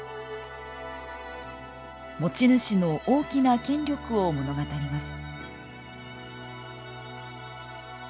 持ち主の大きな権力を物語ります。